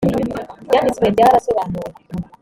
ibyanditswe byarasobanuwe.